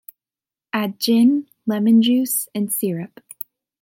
Add gin, lemon juice and syrup.